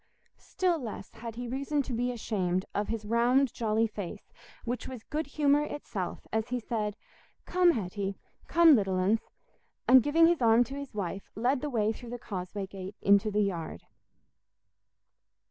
Still less had he reason to be ashamed of his round jolly face, which was good humour itself as he said, "Come, Hetty—come, little uns!" and giving his arm to his wife, led the way through the causeway gate into the yard.